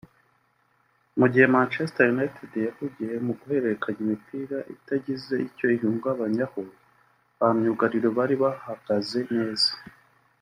mugihe Manchester united yahugiye mu guhererekanya imipira itagize icyo ihungabanyaho ba myugariro bari bahagaze neza